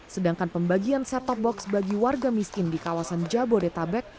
sedangkan pembagian set top box bagi warga miskin di kawasan jabodetabek